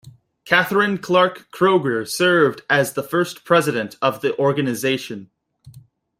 Catherine Clark Kroeger served as the first president of the organization.